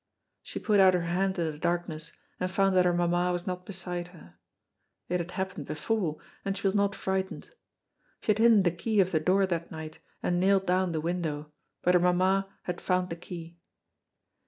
She put out her hand in the darkness and found that her mamma was not beside her. It had happened before, and she was not frightened. She had hidden the key of the door that night and nailed down the window, but her mamma had found the key.